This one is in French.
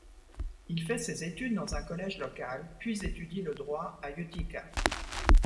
Il fait ses études dans un collège local, puis étudie le droit à Utica.